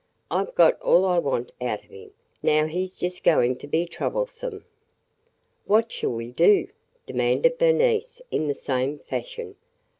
I 've got all I want out of him. Now he 's just going to be troublesome!" "What shall we do?" demanded Bernice in the same fashion.